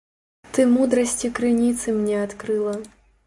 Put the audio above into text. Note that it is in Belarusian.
Ты мудрасці крыніцы мне адкрыла.